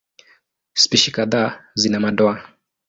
Spishi kadhaa zina madoa.